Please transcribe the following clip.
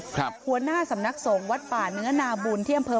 คุณผู้ชมรักกรมโมอายุห้าสิบเก้าปี